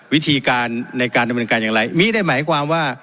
วิธีการในการดำเนินการอย่างไรมีได้หมายความว่า